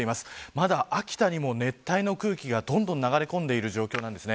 まだ秋田にも熱帯の空気がどんどん流れ込んでいる状況です。